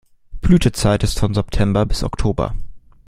Blütezeit ist von September bis Oktober.